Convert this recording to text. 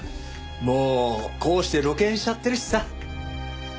もうこうして露見しちゃってるしさ。